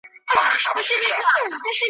دلته څنګه زما پر کور بل سوی اور دی `